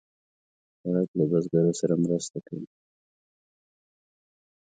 سړک له بزګرو سره مرسته کوي.